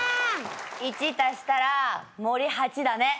１足したら森八だね。